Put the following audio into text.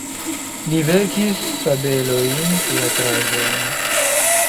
Li verkis fabelojn, teatraĵojn.